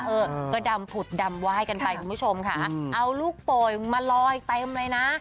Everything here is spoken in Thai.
เออก็ดำผุดดำไหว้กันไปคุณผู้ชมค่ะเอาลูกโป่งมาลอยเต็มเลยนะ